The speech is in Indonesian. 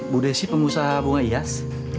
budesi pengusaha bunga hias